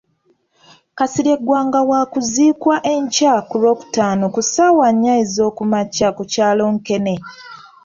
Kasirye Gwanga wakuziikwa enkya ku Lwokutaano ku ssaawa nnya ezookumakya ku kyalo Nkene.